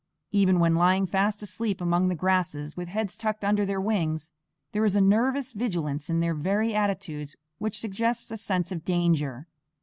Even when lying fast asleep among the grasses with heads tucked under their wings, there is a nervous vigilance in their very attitudes which suggests a sense of danger.